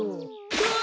うわ！